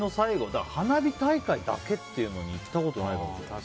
だから花火大会だけっていうのに行ったことないかもしれない。